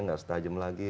nggak setajam lagi